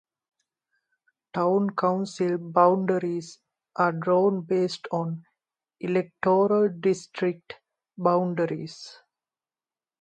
Town councils boundaries are drawn based on electoral district boundaries.